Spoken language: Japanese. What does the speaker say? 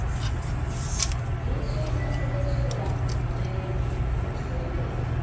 原子力発電所ではこのエネルギーを利用しているというわけ。